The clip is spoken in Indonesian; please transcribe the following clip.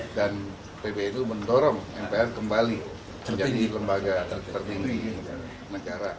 dan pbnu mendorong mpr kembali menjadi lembaga tertinggi negara